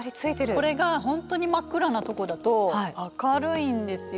これが本当に真っ暗なとこだと明るいんですよ。